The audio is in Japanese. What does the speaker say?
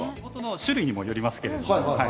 種類にもよりますけど。